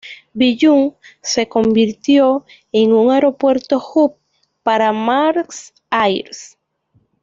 Billund se convirtió en un aeropuerto hub para Maersk Air.